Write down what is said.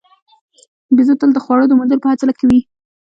بیزو تل د خوړو د موندلو په هڅه کې وي.